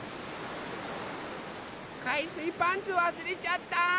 かいすいパンツわすれちゃった。